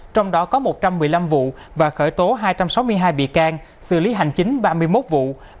trong đó có một trăm một mươi năm vụ và khởi tố hai trăm sáu mươi hai bị can xử lý hành chính ba mươi một vụ